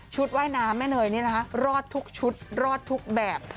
ว่ายน้ำแม่เนยนี่นะคะรอดทุกชุดรอดทุกแบบ